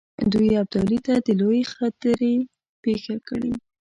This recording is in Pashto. دوی ابدالي ته د لویې خطرې پېښه کړي.